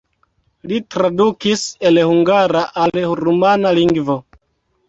Li tradukis el hungara al rumana lingvo.